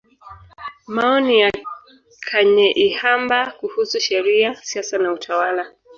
Maoni ya Kanyeihamba kuhusu Sheria, Siasa na Utawala.